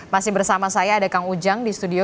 masih bersama saya ada kang ujang di studio